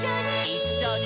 「いっしょに」